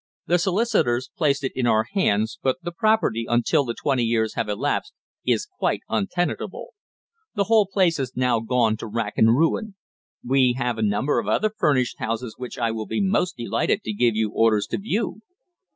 The solicitors placed it in our hands, but the property until the twenty years have elapsed, is quite untenantable. The whole place has now gone to rack and ruin. We have a number of other furnished houses which I will be most delighted to give you orders to view."